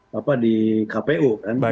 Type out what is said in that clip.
kepada teman teman di kpu